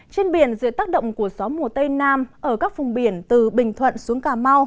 trên biển dưới tác động của gió mùa tây nam ở các vùng biển từ bình thuận xuống cà mau